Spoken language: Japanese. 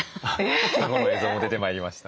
過去の映像も出てまいりました。